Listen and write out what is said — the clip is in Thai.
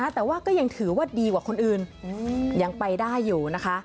แต่ว่าก็ยังถือว่าดีกว่าคนอื่นยังไปได้อยู่นะคะ